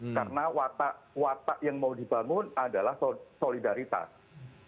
karena watak watak yang mau dibangun adalah solidaritas